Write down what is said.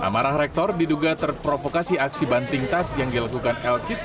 marah rektor diduga terprovokasi aksi banting tas yang dilakukan el cid